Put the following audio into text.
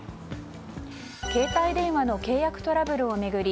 携帯電話の契約トラブルを巡り